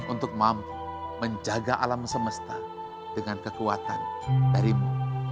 untuk mampu menjaga alam semesta dengan kekuatan darimu